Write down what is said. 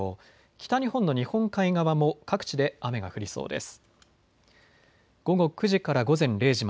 北日本の日本海側も各地で雨が降りそうです。